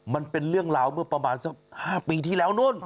มันเป็นเรื่องราวเมื่อประมาณสัก๕ปีที่แล้วนู่น